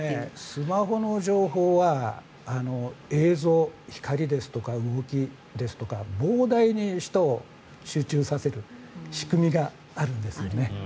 スマホの情報は映像、光ですとか動きですとか膨大に人を集中させる仕組みがあるんですよね。